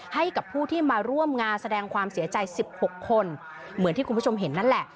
ให้กับผู้ที่มาร่วมงานแสดงความเสียใจสิบหกคนเหมือนที่คุณผู้ชมเห็นนั่นแหละ